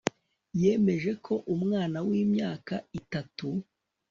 yemeje ko umwana w'imyaka itatu